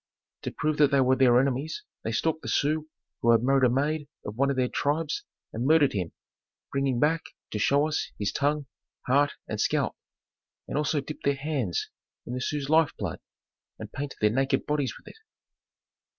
To prove that they were their enemies they stalked the Sioux who had married a maid of one of their tribes and murdered him, bringing back to show us his tongue, heart, and scalp, and also dipped their hands in the Sioux's life blood and painted their naked bodies with it.